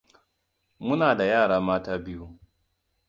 Muna da yara mata biyu.